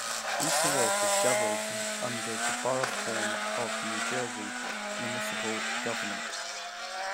East Newark is governed under the Borough form of New Jersey municipal government.